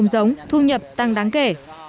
tôm hùm giống thu nhập tăng đáng kể